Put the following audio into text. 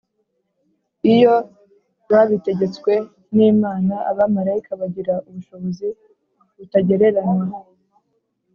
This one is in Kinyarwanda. iyo babitegetswe n’imana, abamarayika bagira ubushobozi butagereranywa